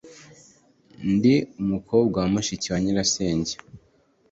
Ndi umukobwa wa mushiki wa nyirasenge.